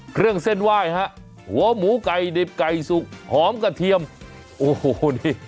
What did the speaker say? เครื่องเส้นไหว้ฮะหัวหมูไก่ดิบไก่สุกหอมกระเทียมโอ้โหนี่